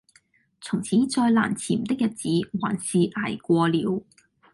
從前再難纏的日子還是捱過了